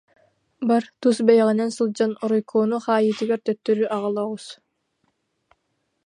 Бар, тус бэйэҕинэн сылдьан, Оройкону хаайыытыгар төттөрү аҕала оҕус